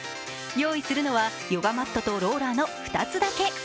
用意するのはヨガマットとローラーの２つだけ。